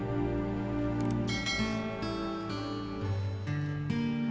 aku mau ke rumah